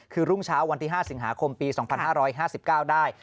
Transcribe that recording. คือรุ่งเช้าวันที่๕สิงหาคมปี๒๕๕๙ได้